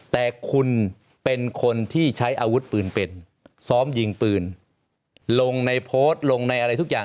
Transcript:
แต่คุณเป็นคนที่ใช้อาวุธปืนเป็นซ้อมยิงปืนลงในโพสต์ลงในอะไรทุกอย่าง